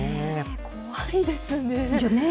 怖いですね。